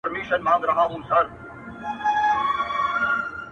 o په خندا پاڅي په ژړا يې اختتام دی پيره.